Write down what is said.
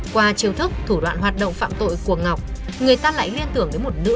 qua chiều thức thủ đoạn hoạt động phạm tội của ngọc người ta lại liên tưởng đến một nữ